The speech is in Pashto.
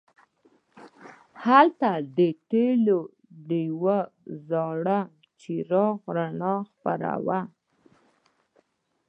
هلته د تیلو د یو زوړ څراغ رڼا خپره وه.